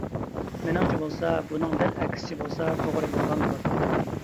مېنىڭچە بولسا، بۇنىڭ دەل ئەكسىچە بولسا توغرا بولغان بولاتتى.